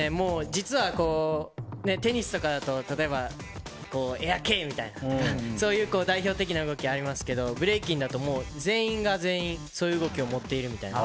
実は、テニスとかだと例えばエアケイみたいな代表的な動きがありますがブレイキンだと全員が全員、そういう動きを持っているというか。